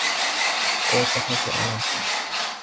ওর কথা শুনো না।